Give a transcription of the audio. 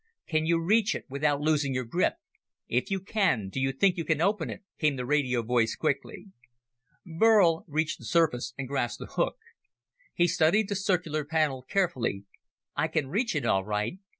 "Can you reach it without losing your grip? If you can, do you think you can open it?" came the radio voice quickly. Burl reached the surface and grasped the hook. He studied the circular panel carefully. "I can reach it all right.